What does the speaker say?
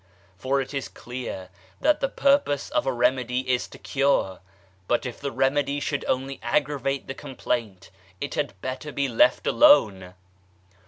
For it is clear that the purpose of a remedy is to cure * but if the remedy should only aggravate the complaint it had better be left alone.